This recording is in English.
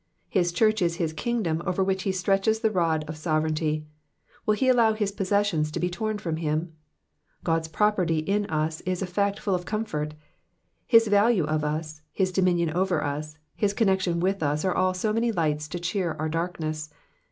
His church is his kingdom, over which he stretches the rod of sovereignty ; will he allow his possessions to be torn from him ? God's property in us is a fact full of comfort : his value of us. his dominion over us, his connection with us are all so many lights to cheer our darkness.